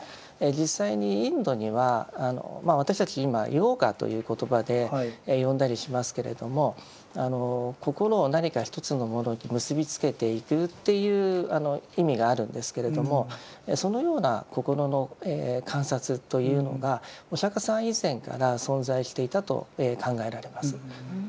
実際にインドにはまあ私たち今「ヨーガ」という言葉で呼んだりしますけれども心を何か一つのものに結びつけていくという意味があるんですけれどもそのような心の観察というのがお釈さん以前から存在していたと考えられます。